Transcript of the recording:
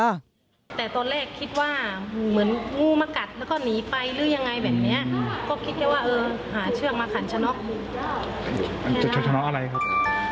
ไม่ได้ห้ามเหลือตรงนั้นนะครับไม่ได้ห้าม